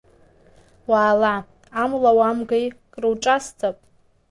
Уаала, амла уамгеи, круҿасҵап!